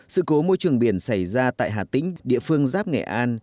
sự cố môi trường biển xảy ra tại hà tĩnh địa phương giáp nghệ an